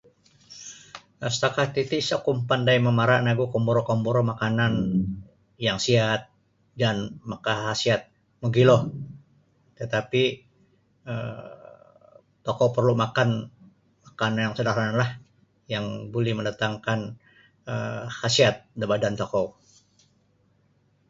Setakat titi isa oku pandai mamara nogu komburo-kombura makanan yang siat jaan makasiat magilo tatapi um tokou perlu makan makanan yang [unintelligible] yang buli mandatangkan um khasiat da badan tokou.